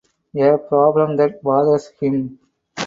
A problem that bothers him.